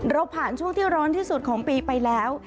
เราผ่านช่วงที่ร้อนที่สุดของปีไปแล้ว